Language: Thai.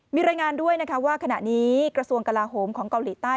มีรายงานด้วยนะคะว่าขณะนี้กระทรวงกลาโหมของเกาหลีใต้